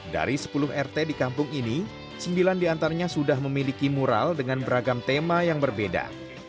dari sepuluh rt di kampung ini sembilan diantaranya sudah memiliki mural dengan beragam tema yang berbeda